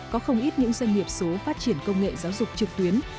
có không ít những doanh nghiệp số phát triển công nghệ giáo dục trực tuyến